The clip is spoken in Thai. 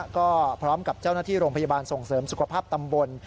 ก็พร้อมกับเจ้าหน้าที่โรงพยาบาลส่งเสริมสุขภาพตำบล